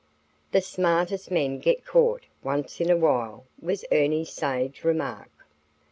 "The smartest men get caught once in a while," was Ernie's sage remark.